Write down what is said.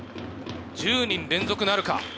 １０人連続なるか。